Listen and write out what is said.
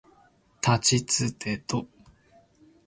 たちつてと